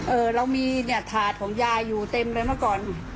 เออเรามีถาดของยายอยู่เต็มเลยเมื่อก่อน